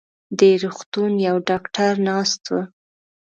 دې روغتون يو ډاکټر ناست و.